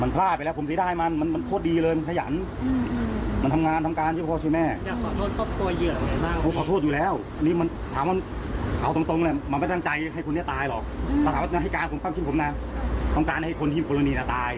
ผมคิดอย่างนั้นนะต้องการให้คนที่มีโฟโลนีนาตาย